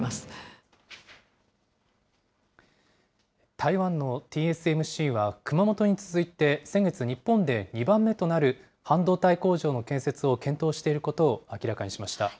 台湾のＴＳＭＣは、熊本に続いて先月、日本で２番目となる半導体工場の建設を検討していることを明らかにしました。